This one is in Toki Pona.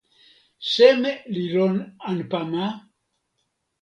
seme li lon anpa ma?